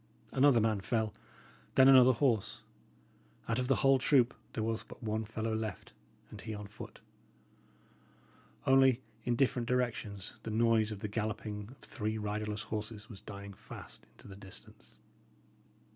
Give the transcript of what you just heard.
Another man fell; then another horse; out of the whole troop there was but one fellow left, and he on foot; only, in different directions, the noise of the galloping of three riderless horses was dying fast into the distance.